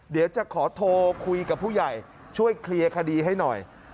เดี๋ยวจะขอโทรคุยกับผู้ใหญ่ช่วยเคลียร์คดีให้หน่อย